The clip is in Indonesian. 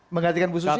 mengadakan ibu susi